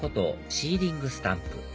シーリングスタンプ